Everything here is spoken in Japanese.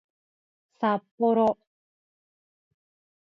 さっぽろ